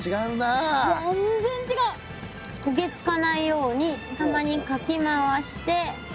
焦げ付かないようにたまにかき回して。